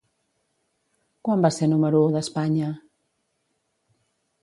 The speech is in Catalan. Quan va ser número u d'Espanya?